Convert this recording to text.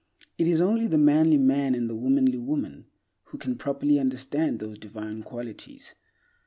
It is only the manly man and the womanly woman who can properly understand those divine qualities.